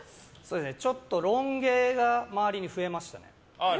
ちょっとロン毛が周りに増えましたね。